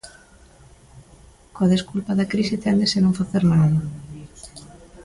Coa desculpa da crise téndese a non facer nada.